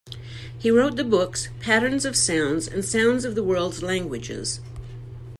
He wrote the books "Patterns of Sounds" and "Sounds of the World's Languages".